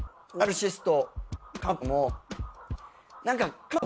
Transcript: ナルシスト。